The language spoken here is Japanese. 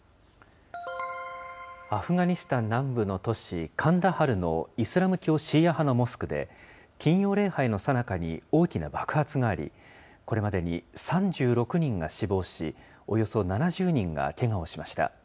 アフガニスタン南部の都市カンダハルのイスラム教シーア派のモスクで、金曜礼拝のさなかに大きな爆発があり、これまでに３６人が死亡し、およそ７０人がけがをしました。